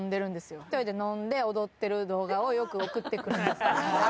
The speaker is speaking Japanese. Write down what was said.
１人で飲んで、踊ってる動画をよく送ってくるんですけども。